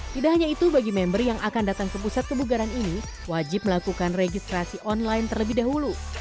tidak hanya itu bagi member yang akan datang ke pusat kebugaran ini wajib melakukan registrasi online terlebih dahulu